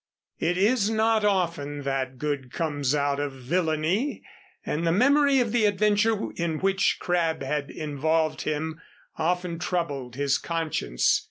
It is not often that good comes out of villainy, and the memory of the adventure in which Crabb had involved him, often troubled his conscience.